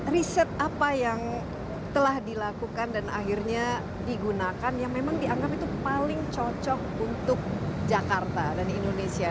riset apa yang telah dilakukan dan akhirnya digunakan yang memang dianggap itu paling cocok untuk jakarta dan indonesia